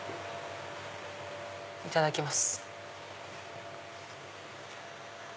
いただきます。